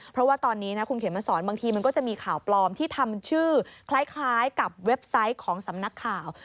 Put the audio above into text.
เพราะว่าตอนนี้นะคุณเข็มมาสอนบางทีมันก็จะมีข่าวปลอมที่ทำชื่อคล้ายกับเว็บไซต์ของสำนักข่าว